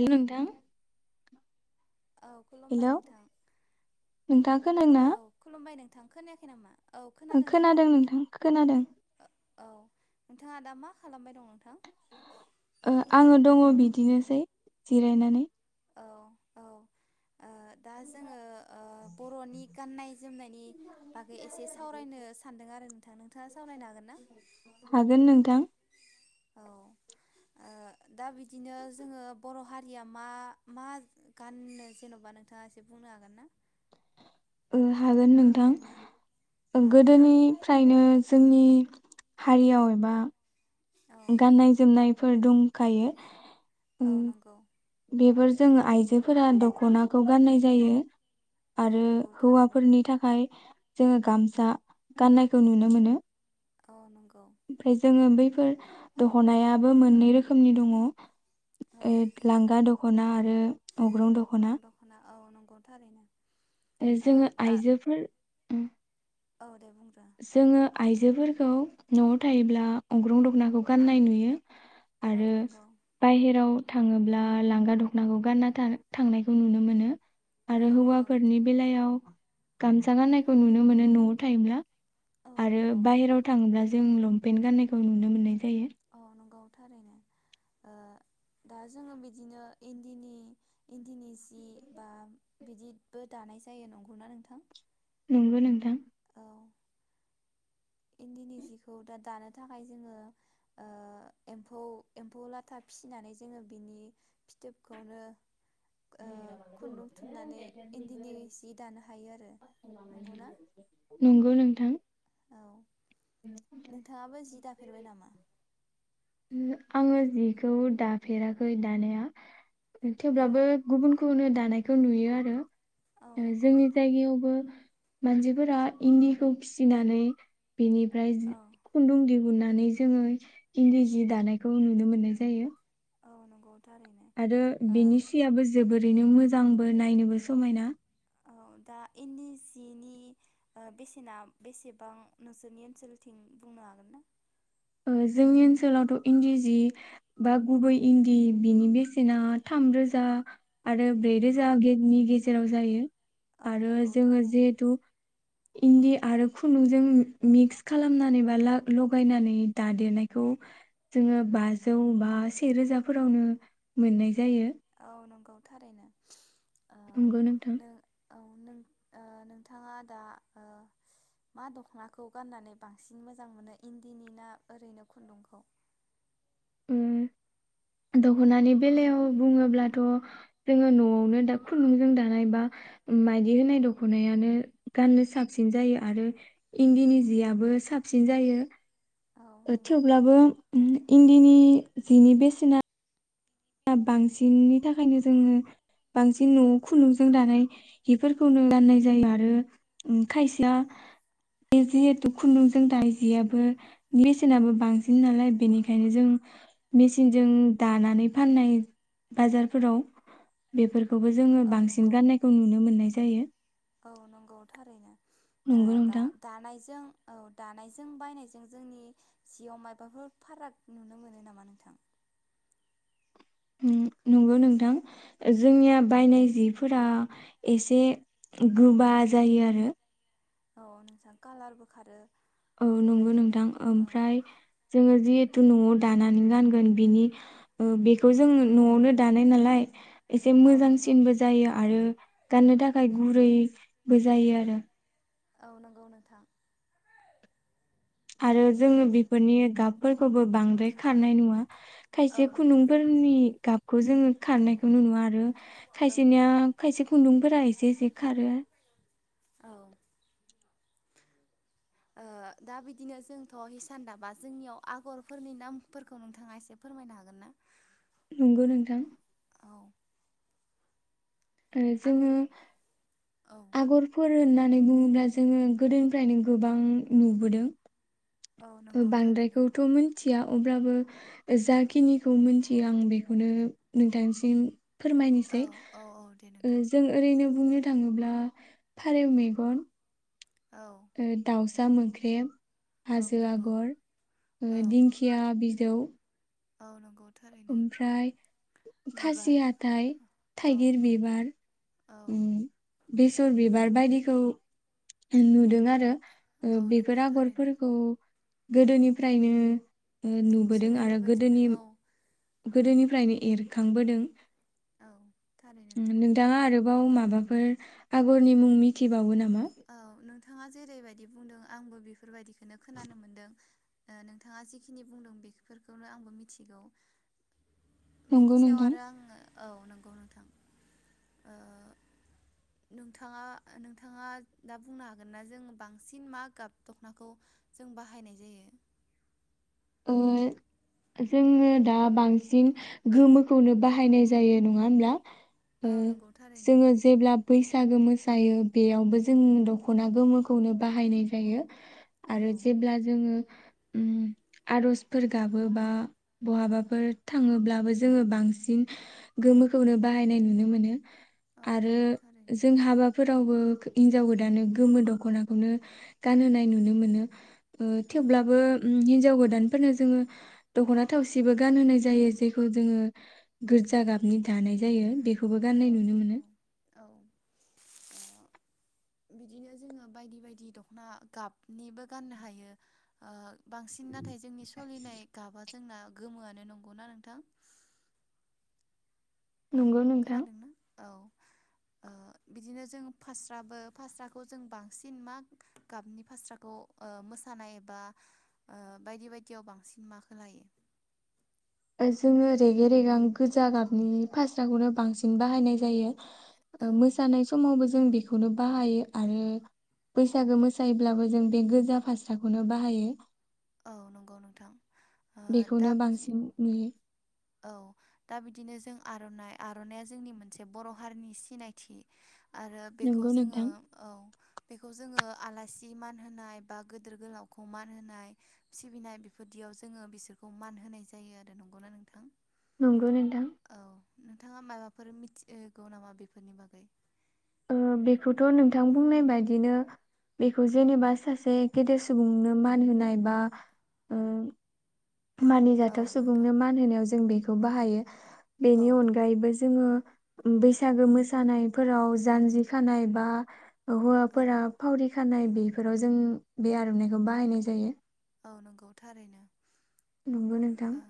Hello नोंथां औ खुलुमबाय हेलौ नोंथां नोंथाङा औ खुलुमबाय नों थां खोनायाखै नामा? ओं खोनादों नोंथां खोनादों। औ नोंथाङा दा मा खालामबाय दङ? ओ आङो दङ बि बिदिनोसै जिरायनानै। औ औ ओ दा जोङो ओ बरनि गाननाय जोमनायनि बागै एसे सावरायनो सान्दों आरो नोंथां नोंथाङा सावरायनो हागोन ना? हागोन नोंथां औ ओ दा बिदिनो जोङो बर हारिया मा-मा गाननो जेनबा नोंथाङा एसे बुंनो हागोन ना? ओ हागोन ओ नोंथां औ गोदोनिफ्रायनो जोंनि हारियाव एबा औ गाननाय-जोमनाय फोर दंखायो। औ उम नंगौ बेफोर जोङो आइजोफोरा दखनाखौ गाननाय जायो। औ आरो नंगौ थारैनो हौवाफोरनि थाखाय जोङो गामसा गाननायखौ नुनो मोनो। औ नंगौ। ओमफ्राय जोङो बैफोर। दखनायाबो मोननै रोखोमनि दङ। औ ए लांगा द दखना आरो अग्रं दखना। औ नंगौ थारैनो। ओ ओ जोङो दा आइजोफोर उम औ। दे बुंग्रो जोङो आइजोफोरखौ नआव थायोब्ला अग्रं दखनाखौ गाननाय नुयो। औ आरो नंगौ बाहेराव थांङोब्ला लांगा दखनाखौ गानना थां-थांनायखौ नुनो मोनो। औ आरो नंगौ नोंथां हौवाफोरनि बेलायाव गामसा गानायखौ नुनो मोनो न'आव थायोब्ला। औ आरो नंगौ बाहेराव थांङोब्ला जों लंपेन्ट गाननायखौ नुनो मोननाय जायो औ नंगौ थारैनो ओ दा जोंङो बिदिनो इन्दिनि-इन्दिनि जि बा बिदिबो दानाय जायो नंगौना नोंथां। नंगौ नोंथां औ इन्दिनि जिखौ दा दानो थाखाय जोंङो ओ एम्फौ-एम्फौ लाथा फिसिनानै जोंङो बिनि फिथोबखौनो ओ खुन्दुं थुननानै इन्दिनि जि दानो हायो आरो नंगौना नंगौ नों थां औ नोंथांङाबो जि दाफेरबाय नामा। आंङो जिखौ दाफेराखै दानाया औ थेवब्लाबो गुबुन खौनो दानायखौ नुयो आरो। औ ओ नंगौ जोंनि नोंथां जायगायावबो मानसिफोरा इन्दिखौ फिसिनानै बेनिफ्राय जि औ खुन्दुं दिहुनना नानै जोंङो इन्दि जि दानायखौ नुनो मोननाय जायो। औ नंगौ थारैनो आरो ओ बिनि सियाबो जोबोर बेनो मोजांबो नायनोबो समायना औ दा इन्दि जिनि ओ बेसेना बेसेबां नोंसोरनि ओनसोलथिं बुंनो हागोन ना। ओ जोंनि ओनसोलावथ इन्दि जि बा गुबै इन्दि बिनि बेसेना थामरोजा आरो ब्रैरोजानि गेजेराव जायो। औ आरो नंगौ जोंङो थारैनो जिहेथु इन्दि आरो खन्दुंजों मिक्स खालामनानै बा लाख लगायनानै दादेरनायखौ जोंङो बाजौ बा सेे रोजाफोरावनो मोननाय जायो औ नंगौ थारैनो ओ नंगौ नोंथां। नों औ नों ओ नोंथाङा दा ओ मा दखनाखौ गाननानै बांसिन मोजां मोनो इन्दिनि ना ओरैनो खुन्दुंखौ ओम दखनानि बेलायाव बुंङोब्लाथ जोंङो नआवनो दा खुन्दुंजों दानाय बा माइदि होनाय दखनायानो गाननो साबसिन जायो आरो इन्दिनि जियाबबो साबसिन जायो। औ ओ नंगौ थेवब्लाबो अम इन्दि नि जिनि बेसेना दामाबो बांसिननि थाखायनो जोंङो बांसिन न'आव खुन्दुंजों दानाय हिफोरखौनो गाननाय जायो आरो ओम खायसेया बे जिहेथु खुन्दुंजों दानाय जियाबो बेसेनाबो बांसिन नालाय बेनिखायनो जों मेसिनजों दानानै फाननाय बाजारफोराव बेफोर खौबो जोङो औ बांसिन नंगौ गाननायखौ नुनो मोननाय जायो। औ नंगौ थारैनो। ओ नंगौ दा नोंथां दानायजों औ दानायजों बायनायजों जोंनि जियाव मायबाफोर फाराग नुनो मोनो नामा नोंथां? उम नंगौ नोंथां ओ जोंनिया बायनाय जिफोरा एसे गोबा जायो आरो औ नोंथां कालारबो खारो। औ नंगौ बेबायदिनो नोंथां औ ओमफ्राय जोङो जि थ न'आव दानानै गानगोन बिनि ओ बेखौ जों न'आवनो दानाय नालाय एसे औ नंगौ मोजांसिनबो जायो आरो गाननो थाखाय गुरैबो जायो आरो औ नंगौ नोंथां। आरो जोङो बेफोरनि गाबफोरखौबो बांद्राय खारनाय नुवा। औ खायसे नोंथां खुन्दुंफोरनि गाबखौ जोङो खारनायखो नुवा आरो औ खायसेनिया नोंथां खायसे खुन्दुंफोरा एसे एसे खारो। औ। ओ दा बिदिनो जोंथ' हिसान दाबा जोंनियाव आगरफोरनि नामफोरखौ नोंथाङा एसे फोरमायनो हागोन ना? नंगौ नोंथां। औ ओ आगर जोङो औ आगरफोर होनना होननानै बुङोब्ला जोङो गोदोनिफ्रायनो गोबां नुबोदों। औ नंगौ थारैनो बांद्रायखौथ' मोनथि थिया अब्लाबो जाखिनिखौ मिथियो आं बेखौनो नोंथांनिसिम फोरमायनोसै औ औ औ दे ओ नोंथां जों ओरैनो बुंनो थाङोब्ला फारौ मेगन औ ओ दावसा सा मोख्रेब। औ हाजो नंगौ आगर ओ औ दिंखिया बिजौ औ नंगौ। थारैनो ओमफ्राय बिबार खासि हाथाइ औ थाइगिर बिबार औ ओम बेसर बिबार बायदिखौ नुदों आरो। औ ओ बेफोर नंगौ थारैनो आगरफोरखौ गोदोनिफ्रायनो ओ नुबोदों आरो सोलिबोबाय थानो गोदोनि औ गोदोनिफ्रायनो एरखांबोदों। औ थारैनो नंगौ नोंथाङा आरोबाव माबा फोर आगरनि मुं मिथिबावो नामा? औ नों नोंथाङा जेरैबायदि बुंदों आंबो बेफोरबायदि बेनो खोनानो मोनदों। नोंथाङा जिखिनि बुंदों बेफोरखौनो आंबो मिथिगौ। बेनि नंगौ सायाव नोंथां आरो आङो औ नंगौ नोंथां ओ नोंथाङा-नोंथाङा दा बुंनो हागोन ना जों बांसिन मा गाब दखनाखौ जों बाहायनाय जायो ओ जोङो दा बांसिन गोमोखौनो बाहायनाय जायो नङा होमब्ला ओ औ नंगौ थारैनो जोङो जेब्ला बैसो बैसागो मोसायो बेयावबो जों दखना गोमोखौनो बाहायनाय जायो औ आरो जेब्ला जोङो उम आरजफोर गाबोबा बहाबाफोर थाङोब्लाबो जोङो बांसिन गोमोखौनो बाहायनाय नुनो मोनो। औ आरो नंगौ थारैनो जों हाबाफोरावबो हिनजाव गोदानो गोमो दखनाखौनो गानहोनाय नुनो मोनो ओ औ थेवब्लाबो नंगौ हिन गोदानफोरनो जोङो दखना थावसिबो गानहोनाय जायो जेखौ जोङो गोजा गाबनि दानाय जायो बे खौबो औ गाननाय नुनो मोनो नंगौ औ ओ बिदिनो जोङो बायदि बायदि दखना गाबनिबो गाननो हायो ओ बांसिन नाथाय जोंनि सोलिनाय गाबा जोंना गोमोआनो नंगौना नोंथां नंगौ नोंथां खोनादोंना औ ओ बिदिनो जों फास्राबो फास्राखौ जों बांसिन मा गाबनि फास्राखौ ओ मोसानाय एबा ओ बायदि बायदियाव बांसिन माखो लायो ओ जोङो रेगे रेगां गोजा गाबनि फास्राखौनो बांसिन बाहायनाय जायो ओ औ मोसानाय समावबो जों बेखौनो बाहायो आरो बैसागो मोसायोब्लाबो जों बे गोजा फास्राखौनो बाहायो औ नंगौ नोंथां ओ दा बेखौनो बिदि बांसिन नुयो औ दा बिदिनो जों आरनाइ आरनाइया जोंनि मोनसे बर'हारिनि सिनायथि आरो बेखौ नंगौ जोङो नोंथां। औ बेखौ जोङो आलासि मान होनाय बा गोदेर गोलावखौ मान होनाय सिबिनाय बेफोरदियाव जोङो बिसोरखौ मान होनाय जायो आरो नंगौना नोंथां नंगौ नोंथां औ नोंथाङा माबाफोर मिथिगौ नामा बेफोरनि बागै ओम बेखौथ नोंथां बुंनाय बायदिनो बेखौ जेनेबा सासे गेदेर सुबुंनो मान होनाय बा ओम औ मानिजाथाव नोंथां सुबुंनो मान होनायाव जों बे खौ बाहायो औ बेनि अनगायैबो जोङो बैसागो मोसानायफोराव जानजि खानाय बा औ हौवाफोरा फावरि खानाय बेफोराव जों बे आर'नाइखौ बाहायनाय जायो। औ नंगौ थारैनो। नंगौ नोंथां। औ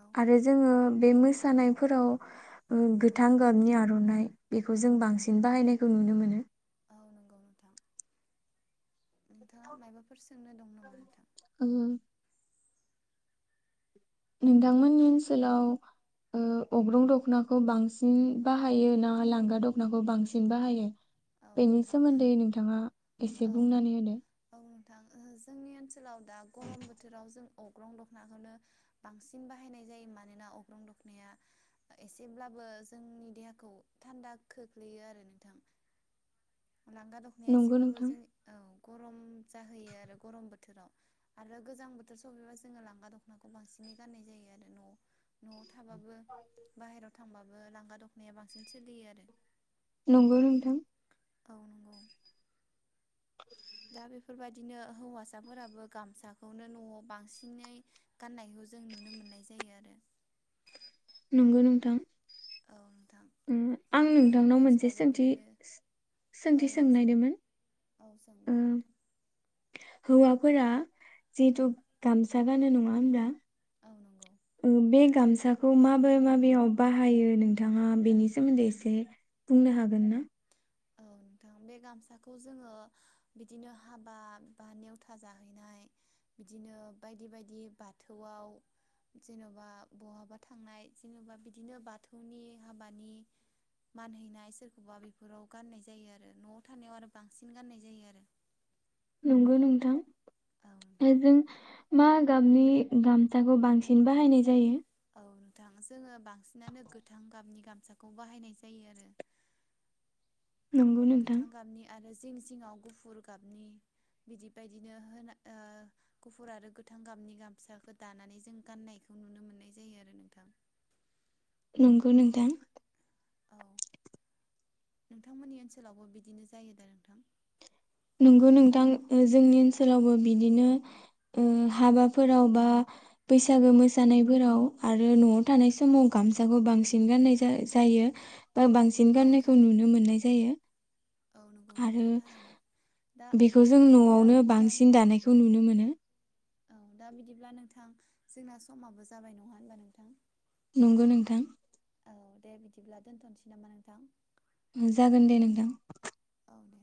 औ आरो जोङो बे मोसानायफोराव ओ गोथां गाबनि आर'नाइ बेखौ जों बांसिन बाहायनायखौ नुनो मोनो। औ नंगौ नोंथां नोंथाङा मायबाफोर सोंनो दं नामा नोंथां? ओं। नोंथांमोननि ओन्सोलाव ओ अग्रं दख'नाखौ बांसिन बाहायो ना लांगा दख'नाखौ बांसिन बाहायो? औ बेनि नोंथां सोमोन्दै नोंथाङा एसे बुंनानै होदो। थां ओहो जोंनि ओन्सोलाव दा गरम बोथोराव जों अग्रं दख'नाखौनो बांसिन बाहायनाय जायो। मानोना अग्रं दख'नाया एसेब्लाबो जोंनि देहाखौ थान्दा खोख्लैयो आरो नोंथां। लांगा दख'नाया नंगौ एसेबाबो नोंथां जों औ गरम जाहैयो आरो गरम बोथोराव आरो गोजां बोथोर सफैबा जोङो लांगा दख'नाखौ बांसिनै गान्नाय जायो आरो न'आव। न' थाबाबो बाहेराव था थांबाबो लांगा दख'नाया बांसिन सोलियो आरो। नंगौ नोंथां। औ नोंगौ। दा बेफोरबायदिनो हौवासाफोराबो गामसाखौनो न'आव बांसिनै गान्नायखौ जों नुनो मोन्नाय जायो आरो। नंगौ नोंथां। औ। नोंथां उम आं नोंथांमोननि नोंथांनाव मोनसे ओनसोलावबो सोंथि बिदिनो औ सोंथि दे सों सोंनायदोंमोन औ सों दे ओ नोंथां हौवाफोरा औ जिहेथु गामसा गानो नङा होमब्ला औ नंगौ ओ बे गामसाखौ माबे माबेयाव बाहायो नोंथाङा बेनि सोमोन्दै एसे बुंनो हागोन ना? औ नोंथां बे गामसाखौ जोङो बिदिनो हाबा बा नेवथा जाहैनाय बिदिनो बायदि बायदि बाथौआव जेन'बा बहाबा थांनाय जेन'बा बिदिनो बाथौनि हाबानि मान हैनाय सोरखौबा बेफोराव गान्नाय जायो आरो नआव थानायाव आरो बांसिन गान्नाय जायो आरो। नोंगौ नोंथां। औ नोंथां जों मा गाबनि गामसाखौ बांसिन बाहायनाय जायो? औ नोंथां जोङो बांसिनानो गोथां गाबनि गामसाखौ बाहायनाय जायो आरो। नंगौ नोंथां गोथां गाबनि आरो जिं जिङाव गुफुर गाबनि बिदि बायदिनो होना ओ गुफुर आरो गोथां गाबनि गामसाखौ दानानै जों गान्नायखौ नुनो मोन्नाय जायो आरो नोंथां। नंगौ नोंथां। औ नोंथांमोननि ओन्सोलावबो बिदिनो जायो दा नोंथां? नोंगौ नोंथां जोंनि ओन्सोलावबो बिदिनो ओ हाबाफोराव बा बैसागो मोसानायफोराव आरो न'आव थानाय समाव गामसाखौ बांसिन गान्नाय जा-जायो। बा बांसिन औ गान्नायखौ थारैनो नुनो मोन्नाय जायो। औ नंगौ आरो नोंथां थारैनो दा बेखौ जों औ दा न'आवनो बिदिब्ला बांसिन नोंथां दानायखौ नुनो मोनो। औ दा बिदिब्ला नोंथां जोंना समाबो जाबाय नङा होमबा नोंथां? नंगौ नोंथां। औ दे बिदिब्ला दोन्थ'नोसै नामा नोंथां? उम जागोन दे नोंथां। औ दे